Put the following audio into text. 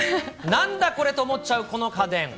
なんだこれと思っちゃうこの家電。